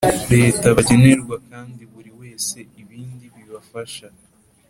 Leta bagenerwa kandi buri wese ibindi bibafasha